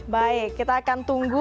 baik kita akan tunggu